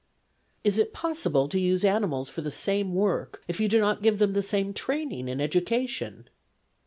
' Is it possible to use animals for the same work if you do not give them the same training and education